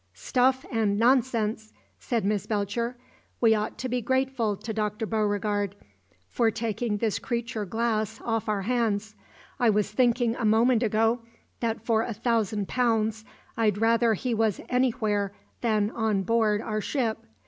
"Stuff and nonsense!" said Miss Belcher. "We ought to be grateful to Dr. Beauregard for taking this creature Glass off our hands. I was thinking a moment ago that for a thousand pounds I'd rather he was anywhere than on board our ship.